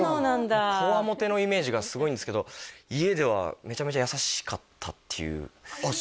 強面のイメージがすごいんですけど家ではめちゃめちゃ優しかったっていうあっ